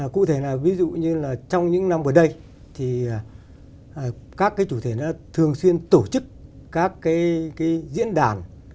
cụ thể là ví dụ như là trong những năm gần đây thì các cái chủ thể đã thường xuyên tổ chức các cái diễn đàn